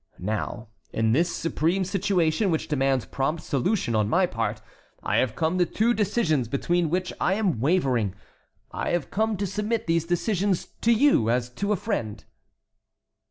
Now in this supreme situation, which demands prompt solution on my part, I have come to two decisions between which I am wavering. I have come to submit these decisions to you as to a friend."